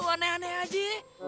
lo aneh aneh aja